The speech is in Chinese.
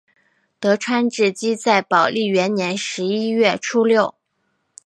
德川治济在宝历元年十一月初六。